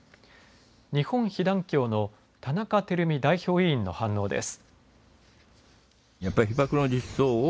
日本被団協の田中熙巳代表委員の反応です。